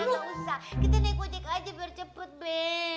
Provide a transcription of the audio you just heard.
gak usah kita naik ojek aja biar cepet be